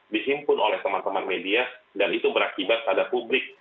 dihimpun oleh teman teman media dan itu berakibat pada publik